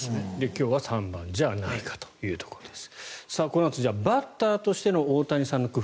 今日は３番じゃないかというところです。